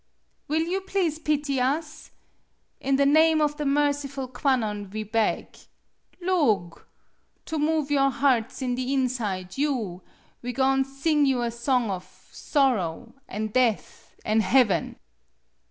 Will you please pity us? In the name of the merciful Kwannon we beg. Loog! To move your hearts in the inside you, we go'n' sing you a song of sorrow an' death an' heaven."